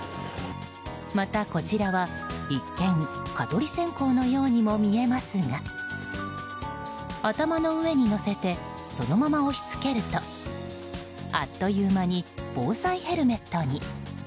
また、こちらは一見蚊取り線香のようにも見えますが頭の上にのせてそのまま押し付けるとあっという間に防災ヘルメットに。